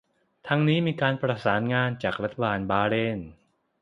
ทั้งนี้มีการประสานงานจากรัฐบาลบาห์เรน